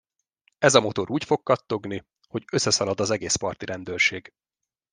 Ez a motor úgy fog kattogni, hogy összeszalad az egész parti rendőrség.